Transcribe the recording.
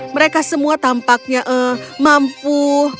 mereka semua tampaknya mampu